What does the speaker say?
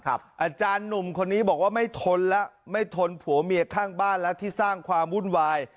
อาจารย์หนุ่มคนนี้บอกว่าไม่ทนแล้วไม่ทนผัวเมียข้างบ้านแล้วที่สร้างความวุ่นวาย